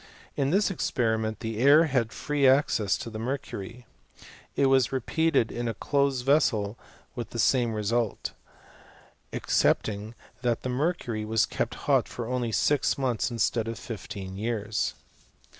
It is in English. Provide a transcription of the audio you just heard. In this experiment the air had free access to the mercury. It was repeated in a close vessel with the same result^ excepting that the mercury was kept hot for only m months instead of fifteen years.